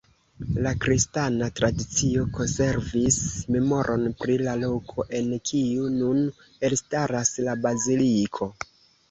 La kristana tradicio konservis memoron pri la loko, en kiu nun elstaras la Baziliko.